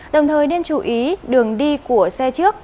đồng thời nên chú ý đường đi của xe trước